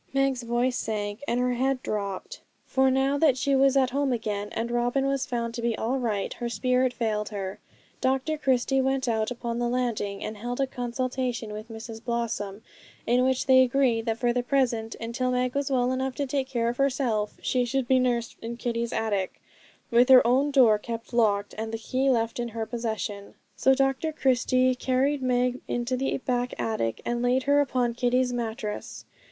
Meg's voice sank, and her head dropped; for now that she was at home again, and Robin was found to be all right, her spirit failed her. Dr Christie went out upon the landing, and held a consultation with Mrs Blossom, in which they agreed that for the present, until Meg was well enough to take care of herself, she should be nursed in Kitty's attic, with her own door kept locked, and the key left in her possession. So Dr Christie carried Meg into the back attic, and laid her upon Kitty's mattress.